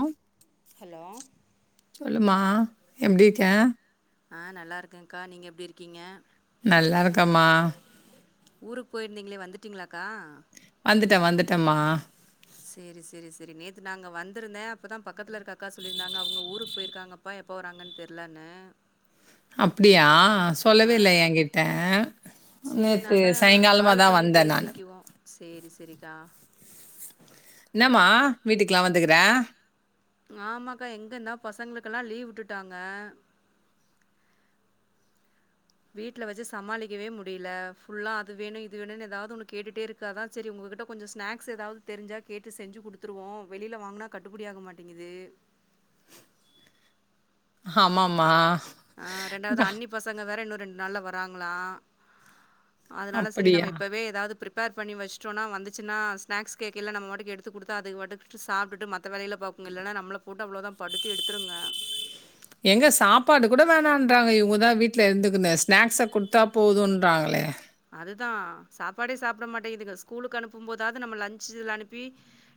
ஆ hello சொல்லுமா எப்டி இருக்கே ஆ நல்லாருக்ங்க்கா நீங்க எப்டி இருக்கீங்க நல்லா இருக்கமா ஊருக்கு போயிருந்தீங்களே வந்துட்டீங்களாக்கா வந்துட்டேன் வந்துட்டேம்மா சேரி சேரி சேரி நேத்து நாங்க வந்திருந்தேன் அப்பதான் பக்கத்துல இருக்க அக்கா சொல்லியிருந்தாங்க அவுங்க ஊருக்கு போயிருக்காங்க அப்பா எப்போ வராங்கன்னு தெர்லென்னே அப்டியா சொல்லவே ஆ இல்ல எகிட்ட சேரி நாதான் கால் பண்ணி நானு பேசிக்குவோம் சேரி சேரிக்கா என்னம்மா வீட்டுக்கெல்லாம் வந்துக்கற ஆமாக்கா எங்க இங்க பசங்களுக்கெல்லாம் லீவ் விட்டுட்டாங்க வீட்ல வச்சு சமாளிக்கவே முடில ஃபுல்லா அது வேணும் இது வேணும்னு ஏதாவது ஒன்னு கேட்டுட்டே இருக் க்கு அதான் சரி உங்ககிட்ட கொஞ்சோ ஸ்நாக்ஸ் ஏதாவது தெரிஞ்சா கேட்டு செஞ்சு கொடுத்துருவோம் வெளியில வாங்கனா கட்டுப்படி ஆக மாட்டேங்குது ஆமாம்மா ஆ ரெண்டாவது அ- அன்னி பசங்க வேற இன்னு ரெண்டு நாள்ல வராங்களா அதனால செரி அப்படியா நம்ம இப்பவே ஏதாவது பிரிப் பிப்பர் பண்ணி வச்சுடோம்னா வந்துச்சுா ஸ்நக்ஸ்கேக்கெல்ல நம்ம மாட்டுக்கு எடுத்து குடுத்தா அதுபாட்டு மத்த வேலயில பாக்கும் இங்க இல்லன்னா நமள போட்டு அவ்ளோ தான் படுத்தி எடுத்துருங்க எங்க சாப்பாடு கூட வேணான்றாங்க இவுங்கதான் வீட்ல இருந்துக்குன்னு ஸ்நாக்ஸ குடுத்தா போதுன்றாங்களே அதுதான் சாப்பாடே சாப்பிட மாட்டேங்குதுங்க ஸ்கூலுக்கு அனுப்பும் போதாவது நம்ம லன்சுல அனுப்பி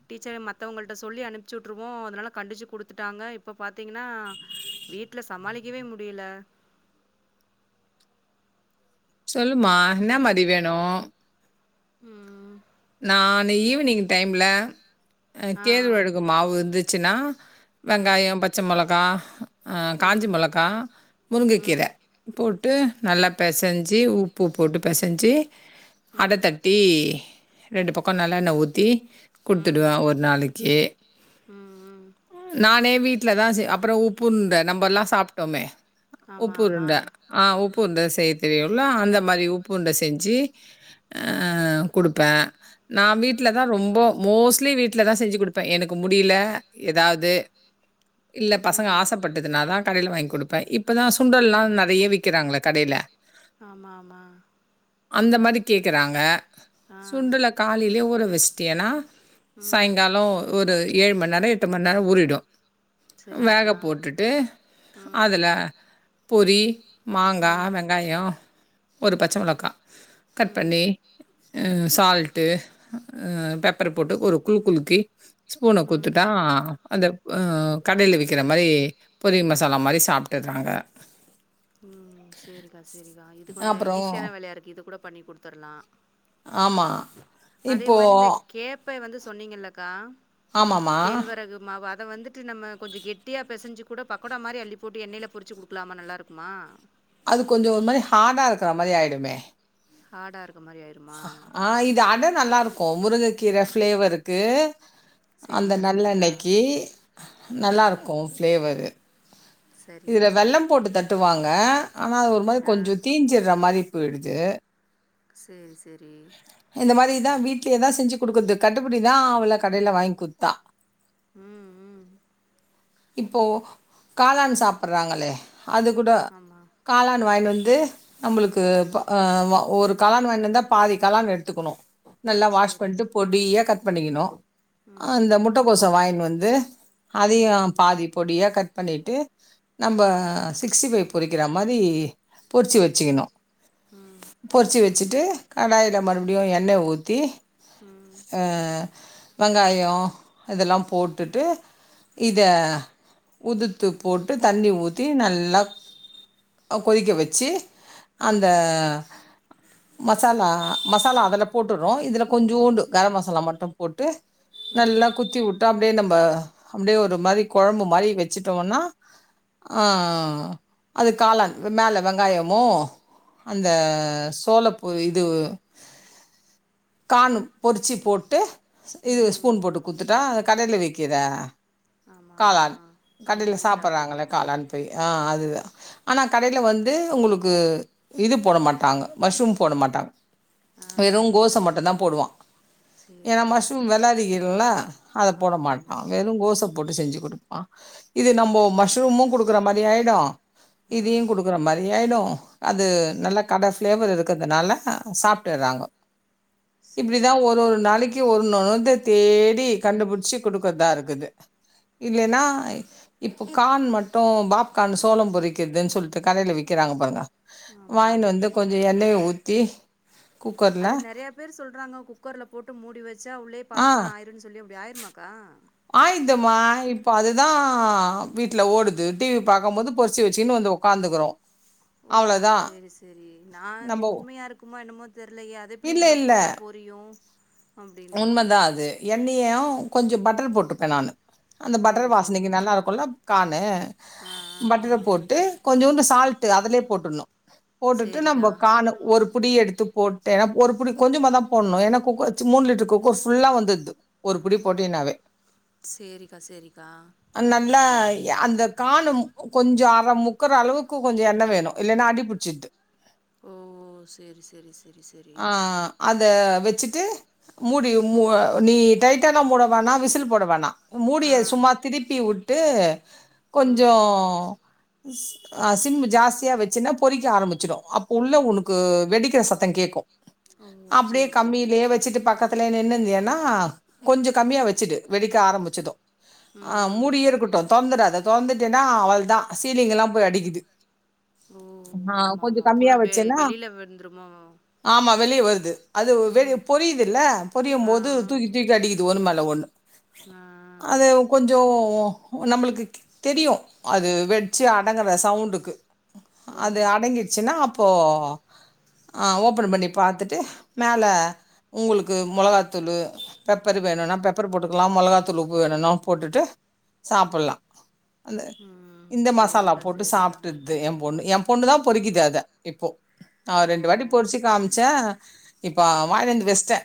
டீச்சர மத்தவங்கள்ட்ட சொல்லி அனுப்பிச்சுட்ருவோம் அதனால கண்டிச்சு குடுத்துட்டாங்க இப்போ பார்த்தீங்கன்னா வீட்ல சமாளிக்கவே முடில சொல்லுமா என்ன மாதி வேணும் ம் நான் ஈவினிங் டைம்ல அ ஆ, ஆ. கேழ்வழகு மாவு இருந்துச்சுனா ம். வெங்காயம் பச்சை மிளகா காஞ்சி ம். மிளகா ம். முருங்கக்கீர ம். போட்டு நல்லா பெசஞ்சு உ பூ போட்டு பசைஞ்சு ம். அடத்தட்டி ரெண்டு பக்கொ நல்லா எண்ண ஊத்தி கொத்துடுவேன் ஒரு நாளைக்கு ம்ம் நானே வீட்ல தா செ அப்புறம் உப்பு உண்ட நம்ப எல்லா சாப்ட்டோமே ஆமா உப்பு ஆமா உருண்ட. ஆ உப்பு உண்ட செய்ய தெரியும்ல அந்த மாதிரி உப்பு உண்ட செஞ்சு கொடு ப்ப நா வீட்டுல தான் ரொம்ப மோஸ்ட்லி வீட்ல தான் செஞ்சு கொடுப் ப எனக்கு முடியல எதாது இல்ல பசங்க ம் ஆசப்பட்டதுனாதான் கடையில வாங்கி் கொடுப்பேன் இப்பதான் சுண்டல்ல்லாம் நிறைய விக்கிறாங்களே கடையில ஆமா ஆம் மா அந்த மாதி கேக்குறாங்க ஆ சுண்டல காலையிலே ஊர வெச்ட்டியன்னா ம் சாயுங்காலம் ஒரு ஏழு மணி நேரம் எட்டு மணி நேரம் ஊறிடும் வேக சரிங்கக்கா போட்டுட்டு ம் அதுல பொரி மாங்கா ம் வெங்காயொ ஒரு பச்சைமிளகா கட் ம் பண்ணி அ சால்ட்டு அ பெப்பர் போட்டு ஒரு குலுக் குலுக்கி ஸ்பூன ம் கூத்துட்டா அந்த அ கடையில வக்கிற மாரி பொரி மசாலா மாரி சாப்ட்டுறாங்க ம் செரிக்கா செரிக்கா இது கொஞ்சம் அப்புறம் ஈஸியான வேலையா இருக்கு இது கூட பண்ணி கொடுத்துர்லாம் ஆமாம் அதே மாரி இந்த இப்போது கேப்பை வந்து சொன்னீங்களக்கா ஆமாம்மா கேழ்வரகு மாவு அத வந்துட்டு நம்ம கொஞ்ச கெட்டியா பெசஞ்சு கூட பக்கடோ மாரிஅள்ளி போட்டு எண்ணெயில பொறிச்சு குடுக்கலாம நல்லார்க் குமா அது கொஞ்சம் ஒரு மாரி ஹார்டா இருக்ற மாரி ஆயிடுமே ஹார்டா இருக்க மாரி ஆயி ஆ இது அட நல்லா இருக்கும் முருங்கை கீர ஃபிளேவர்க்கு அந்த சரிக்கா சரிக்கா நல்லெண்ணய்க்கு ஆ நல்லா இருக்கும் ஃப்ளேவரு இதில் சரிங்கக்கா வெள்ளம் போட்டு தட்டுவாங்க ஆனா அது ஒரு மாரி ஆ கொஞ்சம் தீஞ்சிற மாதிரி போயிடுது செரி செரி இந்த மாரிதா வீடலயே தா செஞ்சு கொடுக்குறது கட்டுப்படி தா ஆவல கடையில வாங்கி கொத்தா ம் ம் இப்போ காளான் சாப்புறாங்களே அது கூட ஆமா காளான் வாங்கின் வந்து நம்மளுக்கு ம் ப அ ஒரு காளான் வாங்கிட்டு வந்தா பாதிக் காளான் எடுத்துக்கணும் நல்லா வாஷ் சேரிக்கா பண்ட்டு பொடியா கட் பண்ணிக்கணும் ம் அந்த ம் முட்டக்கோச வாங்கின் வந்து ம் அதயும் பாதி பொடியா கட் பண்ணிட்டு நம்ம சிக்ஸ்டி ஃபைவ் பொரிக்கிற மாதி பொரிச்சு வச்சுக்கணும் உம் பொறிச்சி வச்சுட்டு கடாயில மறுபடியும் எண்ணை ஊத்தி ம் அ வெங்காயோ இதெல்லா போட்டுட்டு இத ம் உதுத் த்து போட்டு தண்ணி ஊத்தி நல்லா அ கொதிக்க வச்சு அந்த ம் மசாலா மசாலா அதுல போட்டுற்றோ இதுல கொஞ்சோண்டு கர மசாலா மட்டு போட்டு ம் நல்லா குத்தி உட்டு அப்டியே நம்ப அப்டியே ஒரு மாரி கொழம்பு மாரி வச்சுட்டோனா ஆ அது காளான் மேல வெங்காயமு அந்த சோலப்பூ இது காணு பொறிச்சி போட்டு இது ம் ஸ்பூன் போட்டு குத்துட்டா கடைல விக்கிற ஆமா ஆமா காளான் அந்த கடைல்ல மாரி சாப்பறாங்கள சாப்ட்டுக்கலா காளான் ப்ப அ அதுதா ஆனா கடையில வந்து உங்களுக்கு இது போட மாட்டாங்க மஷ்ரூம் போட மாட்டாங் ஆ வெறு ஆ கோச மட்டுதா போடுவா சேரி ஏ சேரி மஷ்ரூம் சேரி வெல அதிகல்ல அத போட ஆமா மாட்டா ஆமா வெறு கோச போட்டு செஞ்சு குடுப்பா இது நம்போ மஷ்ரூமு குடுக்குற மாரி ஆயிடு ஆ இதியூ குடுக்கற மாரியாய்டு அது நல்லா கட பிளேவர்ரு க்றதுனால சாப்ட்டறாங்க இப்படிதா சேரிக்கா ஒரு ஒரு சேரிக்கா நாளைக்கி ஒன்னு வந்து தேடி கண்டுபிச்சி குடுக்கதாருக்குது இல்லென்னா இப்ப கான் மட்டு பாப்கான் சோளோ பொரிக்கதுன் சொல்ட்டு கடையில விக்கறாங்க பாருங்க ஆமா வாங்ன்டு வந்து கொஞ்ச எண்ணய ஊத்தி குக்கர்ல அது நெறய பேரு சொல்றாங்க குக்கர்ல போட்டு மூடி வச்சா உள்ளே பாப்கார்ன் ஆயிருன் சொல்லி அப்டி ஆயிருமாக்கா ஆயீதூமா இப்ப அதுதா வீட்ல ஓடுது டி வி பாக்க போது பொரிசு வெச்சுன்னு வந்து ஒ க்காந்துக்குறோ ஓ செரி செரி நா இது நம்ப உண்மையா இருக்குமா என்னமோ தெர்லயே அதெப்டி இல்ல, உள்ள போட்டா பொ றியு உண்மதா அது எண்ணெயு கொஞ்ச பட்டரு போட்டுப்பே நானு அந்த சரி, பட்டர் சரி. வாசனக்கி நல்லாருக்குல்ல கான்னு ஆ ஆ பட்டரு ஆ. போட்டு கொஞ்சோண்டு சால்ட் அதுலே போட்டுன்னு போட்டுட்டு நம்ப சரிக்கா. கானு ஒரு புடி எடுத்து போட்டு ஒரு புடி கொஞ்சமாதா போட்னு ஏன்னா குக்கர்ச் மூணு லிட்டரு குக்கரு ஃபுல்லா வந்துது ஒரு புடி போட்டீனாவே சரிக்கா, சரிக்கா. அந்நம்லா ஏ அது காணும் கொஞ்ச அர முக்கற அளவுக்கு கொஞ்ச எண்ண வேணு இல்லன்னா அடிப்புச்சிட்து ஓ சேரி சேரி ஆ அத வெச்சுட்டு மூடி மூ நீ டைட்டானா மூடவேனா விசில் போடவேனா மூடிய ஆ. சும்மா திருப்பி உட்டு கொஞ்சோ ம். அ சிம் ஜாஸ்தியா வச்சின்னா பொறிக்க ஆரம்பிச்சிடு அப்ப உள்ள ஒனக்கு வெடிக் கிற சத்த கேக்கு ஓ! அப்டியே சரி, சரி. கம்மிலே வெச்சுட்டு பக்கத் தலே நின்னிந்தியனா கொஞ்ச கம்மியா வச்சுடு வெடிக்க ஆரம்பிச்துடு அ ம், ம். மூடியே இருக்கட்டு தொர்ந்தடாத தொர்ந்துட்டினா அவள்தா சீலிங்கல்லா போய் அடிக்குது ம் ஆ ஆமா கொஞ்சோ ஆமா புறா கம்மியா வெ வச்சேன்னா வெளில்ல வந்துருமோ ஆமா வெளியே வர்து அது ம். பொரியுதுல்ல பொரியு ஆ, போது ஆ. தூக்கி தூக்கி அடிக்குது ஒன்னு மேல ஒன் ஆ ஒ கொஞ்சோ நம்மளுக்கு தெ தெரியு அது வெட்ச்சு அடங்கற சவுண்டுக்கு ஓ! அது அடங்கிட்ச்ன்னா அப்போ ஆ ஓப்பன் பண்ணி பாத்துட்டு மேல உங்களுக்கு மொளகாத்தூளூ பெப்பரு வேணுனா பெப்பரு போட்டுக்கலா மொளகா தூள் உப்பு வேணுனாலு போட்டுட்டு சாப்புலா அந்த ம். இந்த மசாலா சரிக்கா, போட்டு சரிக்கா. சாப்ட்டு தே ஏ பொண்ணு ஏ பொண்ணு தா பொறிக்குது அத இப்போ ரெண்டு வாட்டி ஓ! பொறிச்சு காமிச்சே இப்ப வாயினந்து வெஸ்ட்டே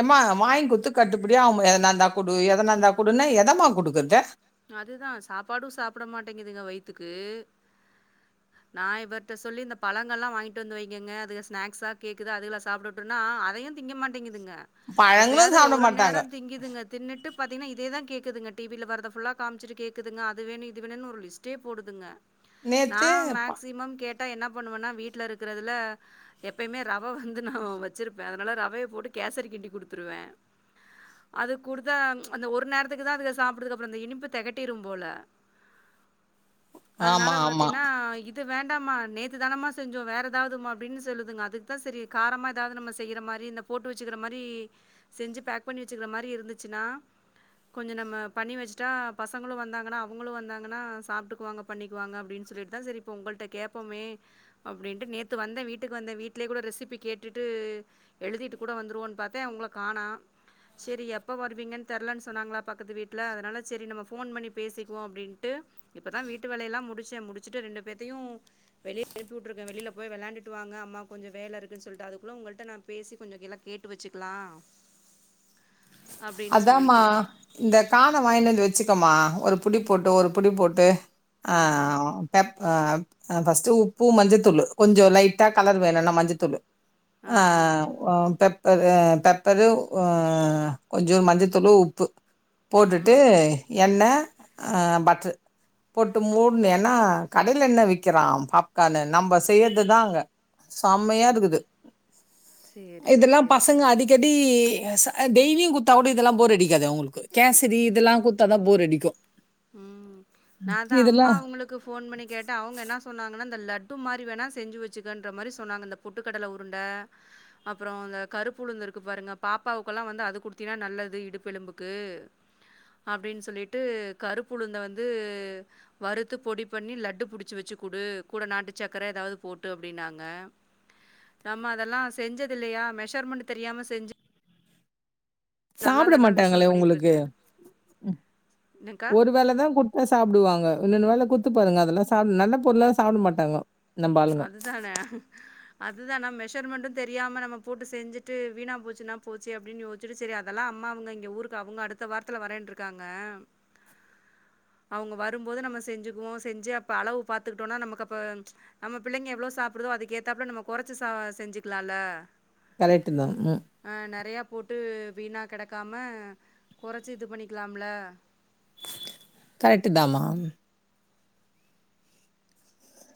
ஏமா வாங்கி குடுத்து கட்டுபடியா ஆவமா எதனாந்தா குடு எதனாந்தா குடுனா எதம்மா குடுக்குறது அதுதா சாப்பாடு சாப்பிட மாட்டேங்குதுங்க வயித்துக்கு நா இவர்ட்ட சொல்லி இந்த பழங்கல்லா வாங்கிட்டு வந்து வைங்கங்க அதுக ஸ்னாக்ஸா கேக்குது அதுகல சாப்ட இப்பனா அதையு திங்க மாட்டேங்குதுங்க பழங்களு எப்பயாவது சாப்ட ஒரு நேர மாட்டாங்க திங்கிதுங்க தின்னுட்டு பாத்திங்கன்னா இதேதா கேக்குதுங்க டிவில வர்றத ஃபுல்லா காமிச்சிட்டு கேக்குதுங்க அது வேணு இது வேணுனு ஒரு லிஸ்ட்டே போடுதுங்க நா நேத்து ப- மேக்சிமம் கே ட்டா என்ன பண்ணுவன்னா வீட்ல இருக்கிறதுல எப்பயுமே ரவ வந்து நான் வச்சிருப்பே அதனால ரவைய போட்டு கேசரி கிண்டி குடுத்துருவே அது குடுத்தா அந்த ஒரு நேரத்துக்கு தா அதுக சாப்பிடுதுக அப்புற அந்த இனிப்பு தெகட்டிரு போல ஆமா அதுனால ஆமா பாத்தீன்னா இது இது வேண்டாமா நேத்து தானமா செஞ்சோ வேற எதாவதுமா அப்டின்னு சொல்லுதுங்க அதுக்குதா சரி காரமா எதாவது நம்ம செய்யற மாரி இந்த போட்டு வச்சுக்கிற மாரி செஞ்சி பேக் பண்ணி வச்சுக்கிற மாரி இருந்துச்சுனா கொஞ்ச நம்ம பண்ணி வச்சிட்டா பசங்களு வந்தாங்கன்னா அவங்களு வந்தாங்கன்னா சாப்ட்டுக்குவாங்க பண்ணிக்குவாங்க அப்டின்னு சொல்லிட்டு தா சரி இப்போ உங்கள்ட்ட கேட்போமே அப்டின்ட்டு நேத்து வந்தே வீட்டுக்கு வந்தே வீட்டிலயே கூட ரெசிபி கேட்டுட்டு எழுதிட்டு கூட வந்துருவோன்னு பாத்தே உங்கள காணோ சேரி எப்ப வருவீங்கன்னு தெரலன்னு சொன்னாங்களா பக்கத்து வீட்ல அதனால செரி நம்ம ஃபோ ஃபோன் பண்ணி பேசிக்குவோ அப்படின்ட்டு இப்பதா வீட்டு வேலைய எல்லா முடிச்சேன் முடிச்சுட்டு ரெண்டு பேத்தையும் வெளிய அனுப்புட்டுருக்கே வெளில போய் விளையாண்டுட்டு வாங்க அம்மா கொஞ்ச வேலை இருக்கு சொல்ட்டே அதுக்குள்ள உங்கள்ட்ட நா பேசி கொஞ்ச கெல்ல கேட்டு வச்சிக்கலா அதாம்மா சொல்லிட்டு. இந்த கான வாங்கினந்து வச்சுக்கோமா ஒரு புடி போட்டு ஒரு புடி போட்டு ஆ பெப் அ ஃபர்ஸ்ட் உப்பு மஞ்சத்தூள் கொஞ்ச லைட்டா கலர் வேணுனா மஞ்சத்தூள் ஆ பெப்ப பெப்பரு உ கொஞ்சோ மஞ்சத்தூளு உப்பு ம், போட்டுட்டு ம். எண்ணெய் ஆ பட்டரு போட்டு மூடுணுயின்னா கடையில என்ன விக்கிறான பாப்கான்னு நம்ம செய்யறது தா அங்க செம்மையா ஓ! இருக்குது சரிக்கா, இதெல்லா பசங்க சரிக்கா. அடி க்கடி டெய்லியு குடுத்தா கூட இதெல்லாம் போர் அடிக்காது அவங்களுக்கு கேசரி இதெல்லா கு த்தாதா போர் அடிக்கு ம் நா தா இதெல்லா அம்மா அவுங்களு க்கு ஃபோன் பண்ணி கேட்டா அவுங்க என்ன சொன்னாங்கனா அந்த லட்டு மாரி வேணா செஞ்சி வச்சுக்கன்ற மாரி சொன்னாங்க பொட்டுக்கடல உருண்ட அப்புற இந்த கருப்பு உளுந்து இருக்கு பாருங்க பாப்பாவுக்குல்லா வந்து அது குடுத்தீனா நல்லது இடுப்பெலும்புக்கு அப்டின்னு சொல்லிட்டு கருப்பு உளுந்த வந்து வறுத்து பொடி பண்ணி லட்டு புடிச்சு வச்சு குடு கூட நாட்டு சக்கர எதாவது போட்டு அப்படின்னாங்க நம்ம அதெல்லா செஞ்சது இல்லையா மெஷர்மெண்ட் தெரியாம செஞ்சி சாப்பட இல்லன்னா யோசனை மாட்டாங்களே பண்ணிட்டு உங்களுக்கு இருக்கேன். என்னக்கா? ஒருவேளைதா குடு சாப்பிடுவாங்க இன்னொன்னு வேலை குடுத்து பாருங்க அதெல்லா சா நல்ல பொருளெல்லா சாப்பிட மாட்டாங்க நம்ப ஆளுங்க அதுதானே அதுதா நா மெசர்மென்ட் தெரியாம நம்ம போட்டு செஞ்சுட்டு வீணா போச்சுன்னா போச்சே அப்டின்னு யோசி சேரி சேரி அதெல்லா அம்மா அவங்க இங்க ஊருக்கு அவங்க அடுத்த வாரத்ல வரேன்ட் இருக்காங்க அவங்க வரும்போது நம்ம செஞ்சுக்வோ செஞ்சு அப்ப அளவு பாத்துக்கிட்டோனா நமக் அப்ப நம்ம பிள்ளைங்க எவ்ளோ சாப்டுதோ அதுக்கேத்தாப்ல நம்ம குறச்சி சா செஞ்சிக்கலால்ல கரெக்ட் தா ம் ஆ நெறையா போட்டு வீணாகிடக்காம கொறச்சி இது பண்ணிக்லாம்ல கரெட்டுதாம்மா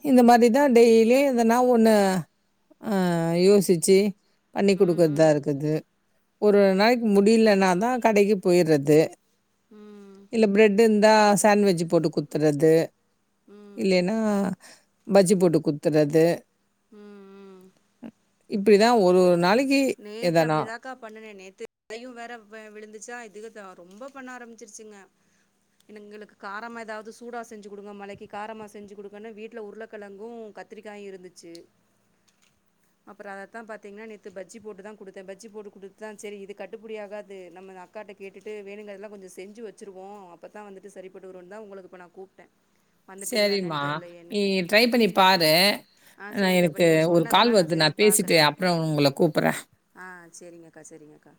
இந்த மாதிரி தா டெய்லியே எதனா ஒன்னு ஆ யோசிச்சு பண்ணி ம் கொடுக்கறதா ம் இருக்து ஒரு ஒரு நாளைக்கு முடிலனாதா கடைக்கு போயிட்றது ம் இல்ல பிரெட் இருந்தா சாண்ட்வெஜ் போட்டு குடுத்துறது ம் இல்லனா பஜ்ஜி போட்டு குடுத்றது ம் ம் இப்டிதா ஒரு ஒரு நாளைக்கு நேத்து எதனா. அப்டிதா அக்கா பண்ண நேத்து அதையு வேற வே விழுந்துச்சா இதுங்க ரொம்ப பண்ண ஆரம்பிச்சிருச்சுங்க எங்களுக்கு காரமா ஏதாவது சூடா செஞ்சு கொடுங்க மழைக்கு காரமா செஞ்சு கொடுங்க வீட்ல உருளக்கெழங்கு கத் திரிக்காயு இருந்துச்சு அப்றோ அதத்த பாத்தீங்கன நேத்து பஜ் ஜி போட்டு தா கொடுத்த பஜ்ஜி போட்டு கொடுத்த சேரி இது கட்டுபடியாகாது நம்ம அக்காட்ட கேட்டுட்டு வேணுங்கரதெல்ல கொஞ்ச செஞ்சு வச் சுருவோ அப்தா வந்துட்டு செரிப்பட்டு வருனுதா உங்களுக்கு இப்ப நா கூப்டே சேரிமா நீ ட்ரை பண்ணி பாரு ஆ சரிக்கா இப்போ எனக்கு நீங்க ஒரு கால் சொன்னதெல்லா வருது நா செஞ்சு பேசிட்டு பாக்குறே அப்றோ உங்கள கூப்பட்ற ஆ சேரிங்கக்கா சேரிங்கக்கா